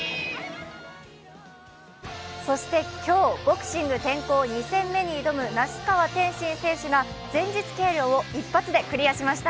そして今日、ボクシング転向２戦目に挑む那須川天心選手が前日計量を一発でクリアしました。